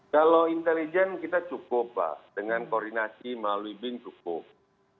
kalau intelijen kita cukup pak dengan koordinasi melalui bin cukup